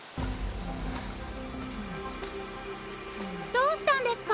・どうしたんですか？